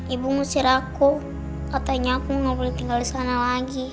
ibu ngusir aku katanya aku nggak boleh tinggal di sana lagi